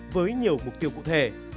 với nhiều mục tiêu cụ thể